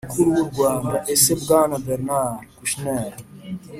mukuru w'u Rwanda. Ese Bwana Bernard Kouchner.